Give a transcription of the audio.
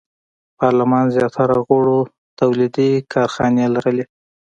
پارلمان زیاتره غړو تولیدي کارخانې لرلې.